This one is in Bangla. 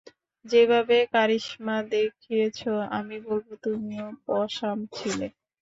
যেভাবে কারিশমা দেখিয়েছ, আমি বলব তুমিও পসাম ছিলে।